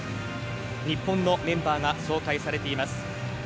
日本のメンバーが紹介されています。